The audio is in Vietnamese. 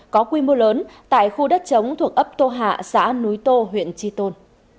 có quy mô lớn tại khu đất chống thuộc ấp tô hạ xã núi tô huyện tri tôn